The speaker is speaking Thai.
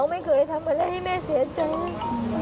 ไม่เคยทำอะไรให้แม่เสียใจ